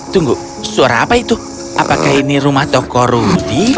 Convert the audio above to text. tunggu suara apa itu apakah ini rumah toko rudy